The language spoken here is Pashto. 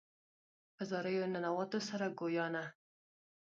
په زاریو ننواتو سوه ګویانه